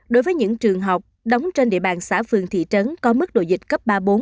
đối với những trường học đóng trên địa bàn xã phường thị trấn có mức độ dịch cấp ba bốn